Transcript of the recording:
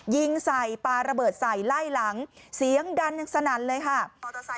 ยิงใส่ปลาระเบิดใส่ไล่หลังเสียงดันยังสนั่นเลยค่ะ